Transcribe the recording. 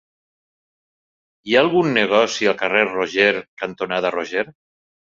Hi ha algun negoci al carrer Roger cantonada Roger?